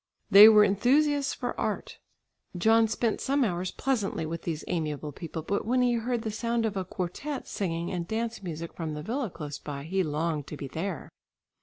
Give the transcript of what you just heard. They were enthusiasts for art. John spent some hours pleasantly with these amiable people, but when he heard the sound of quartette singing and dance music from the villa close by, he longed to be there.